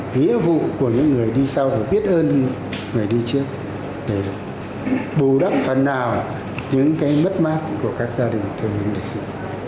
vĩ vụ của những người đi sau phải biết ơn người đi trước để bù đáp phần nào những cái mất mát của các gia đình thân nhân liệt sĩ